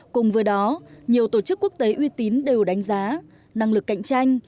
cùng với đó nhiều tổ chức quốc tế uy tín đều đánh giá năng lực cạnh tranh